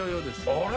あれ？